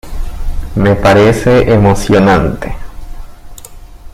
me parece emocionante